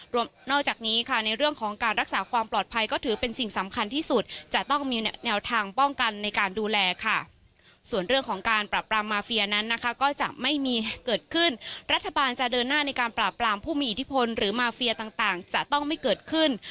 รวมนอกจากนี้ค่ะในเรื่องของการรักษาความปลอดภัยก็ถือเป็นสิ่งสำคัญที่สุดจะต้องมีแนวทางป้องกันในการดูแลค่ะส่วนเรื่องของการปรับปรามมาเฟียนั้นนะคะก็จะไม่มีเกิดขึ้น